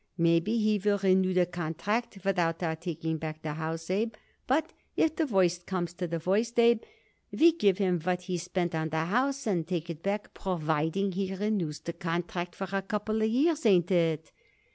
Maybe he will renew the contract without our taking back the house, Abe; but if the worst comes to the worst, Abe, we give him what he spent on the house and take it back, providing he renews the contract for a couple of years. Ain't it?"